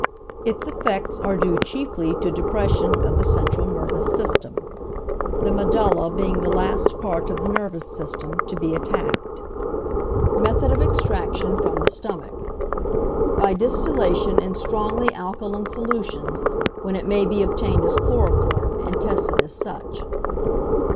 Its effects are due chiefly to depression of the central nervous system, the medulla being the last part of the nervous system to be attacked. Method of Extraction from the Stomach. By distillation in strongly alkaline solutions, when it may be obtained as chloroform and tested as such.